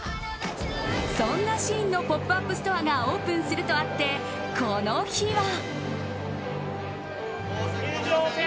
そんなＳＨＥＩＮのポップアップストアがオープンするとあってこの日は。